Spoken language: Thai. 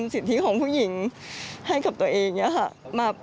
สิทธิของผู้หญิงให้กับตัวเองอย่างนี้ค่ะ